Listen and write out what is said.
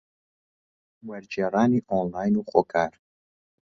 وەرگێڕانی ئۆنلاین و خۆکار